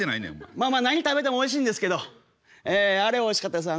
まあまあ何食べてもおいしいんですけどあれおいしかったですね